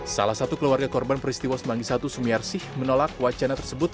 salah satu keluarga korban peristiwa semanggisatu sumiarsih menolak wacana tersebut